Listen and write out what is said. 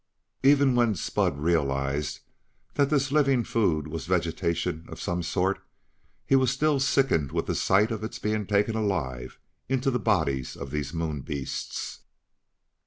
Even when Spud realized that this living food was vegetation of some sort, he was still sickened with the sight of its being taken alive into the bodies of these Moon beasts.